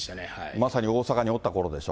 まさに大阪におったころでしょ？